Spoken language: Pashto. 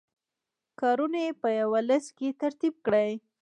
کارونه یې په یوه لست کې ترتیب کړئ.